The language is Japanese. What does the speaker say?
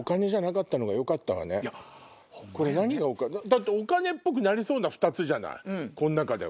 だってお金っぽくなりそうな２つじゃないこの中では。